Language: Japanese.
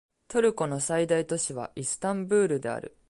トルコの最大都市はイスタンブールである